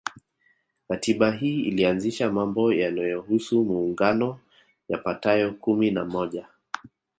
Katiba hii ilianzisha mambo yanayohusu muungano yapatayo kumi na moja